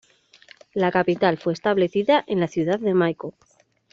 La capital fue establecida en la ciudad de Maikop.